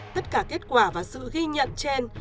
tất cả kết quả và sự ghi nhận trên